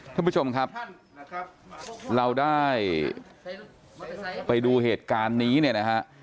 ท่านผู้ชมครับเราได้ไปดูเหตุการณ์นี้เนี่ยนะฮะ